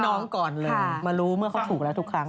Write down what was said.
น้องก่อนเลยมารู้เมื่อเขาถูกแล้วทุกครั้ง